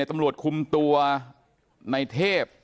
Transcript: ตำรวจคุมตัวในเทพ